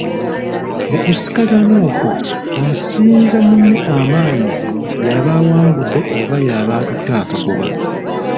"Mu kusikagana okwo, asinza munne amaanyi y’aba awangudde oba y’aba atutte akagoba."